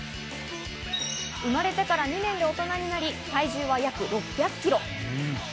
生まれてから２年で大人になり、体重は約６００キロ。